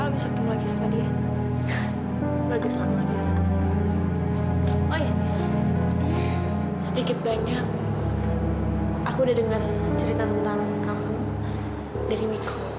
ya walaupun di sisi lain